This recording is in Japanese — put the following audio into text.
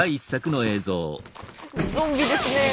ゾンビですねえ。